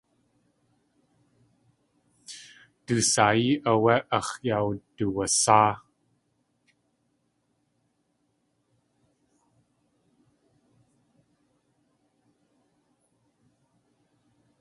Du saayí áwé ax̲ yáwduwasáa.